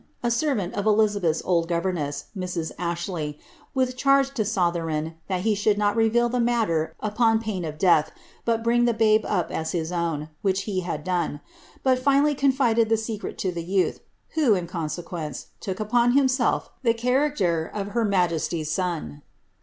a servant of Elizabeth's old governess, Mrs. Ashley, with charge to Soiheton, ibal he should not reveal the matter upon pain of death, but bring the babe up as his own, which he had done ; but finally contided the secret to the youth, who, in consequence, took upon himself the character of her majesty's son."